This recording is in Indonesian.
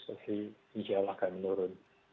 pasti insya allah akan menurun